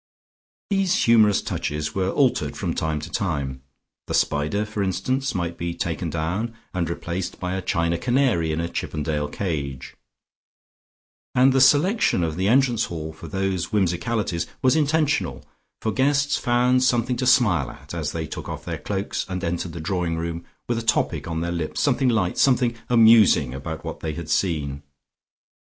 These humorous touches were altered from time to time; the spider for instance might be taken down and replaced by a china canary in a Chippendale cage, and the selection of the entrance hall for those whimsicalities was intentional, for guests found something to smile at, as they took off their cloaks and entered the drawing room with a topic on their lips, something light, something amusing about what they had seen.